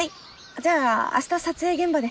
じゃあ明日撮影現場で。